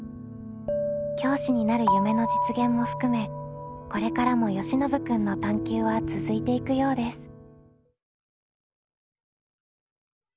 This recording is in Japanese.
教師になる夢の実現も含めこれからもよしのぶ君の探究は続いていくようです。